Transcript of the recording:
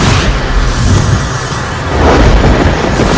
kami yang bidikasi